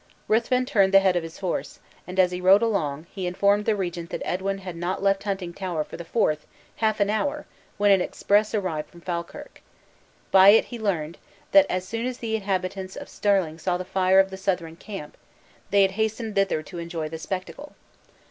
Ruthven turned the head of his horse; and, as he rode along, he informed the regent that Edwin had not left Huntingtower for the Forth half an hour when an express arrived from Falkirk. By it he learned that, as soon as the inhabitants of Stirling saw the fire of the Southron camp, they had hastened thither to enjoy the spectacle.